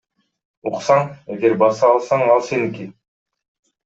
Уксаң, эгер баса алсаң ал сеники.